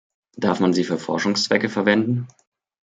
Darf man sie für Forschungszwecke verwenden?